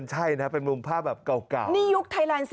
หน้าพี่ถูกกดเลย